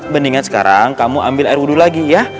mendingan sekarang kamu ambil air wudhu lagi ya